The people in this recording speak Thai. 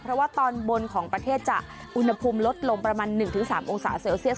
เพราะว่าตอนบนของประเทศจะอุณหภูมิลดลงประมาณ๑๓องศาเซลเซียส